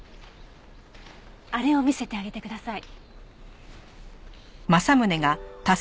あれを見せてあげてください。